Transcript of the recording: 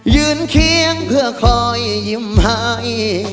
ยืนเคียงเพื่อคอยยิ้มให้